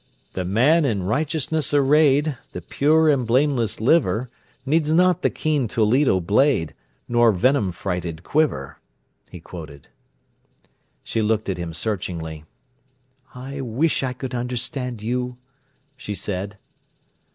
"'The man in righteousness arrayed, The pure and blameless liver, Needs not the keen Toledo blade, Nor venom freighted quiver,'" he quoted. She looked at him searchingly. "I wish I could understand you," she said.